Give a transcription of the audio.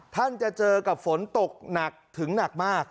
ท่านจะเจอกับฝนตกหนักถึงหนักมาก